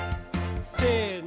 せの。